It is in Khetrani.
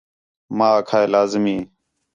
ماں آکھا ہِے لازمی